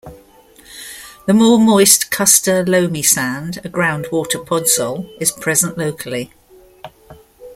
The more moist Custer loamy sand, a groundwater podzol, is present locally.